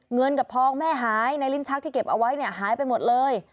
เงินกับทองแม่หายในลิ้นชักที่เก็บเอาไว้เนี่ยหายไปหมดเลย